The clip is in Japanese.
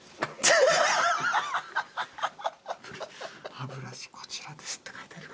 「歯ブラシこちらです」って書いてあります。